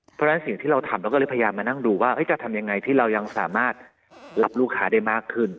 เพราะฉะนั้นสิ่งที่เราทำเราก็เลยพยายามมานั่งดูว่าจะทำยังไงที่เรายังสามารถรับลูกค้าได้มากขึ้น